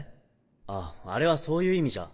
ああれはそういう意味じゃ。